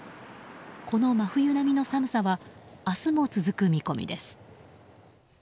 この真冬並みの寒さは明日も続く見込みです。